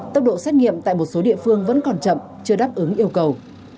tốc độ xét nghiệm tại một số địa phương vẫn còn chậm chưa đáp ứng yêu cầu